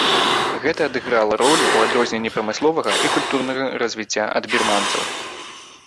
Гэта адыграла ролю ў адрозненні прамысловага і культурнага развіцця ад бірманцаў.